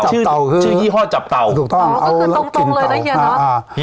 ชื่อชื่อยี่ห้อจับเต่าถูกต้องเอากลิ่นเต่าอ๋อก็เป็นตรงตรงเลยนะเฮีย